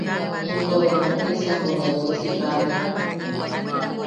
Into bea notisiampo bea yeu siika tea.